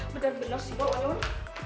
benar benar si bawaan bawaan